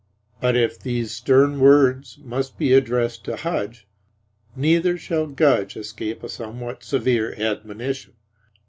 But if these stern words must be addressed to Hudge, neither shall Gudge escape a somewhat severe admonition.